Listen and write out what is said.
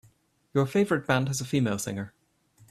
Your favorite band has a female singer.